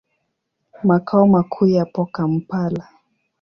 Makao makuu yapo Kampala.